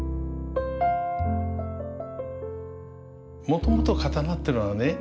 もともと刀ってのはね